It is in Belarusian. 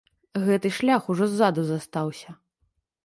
Гэты шлях ужо ззаду застаўся.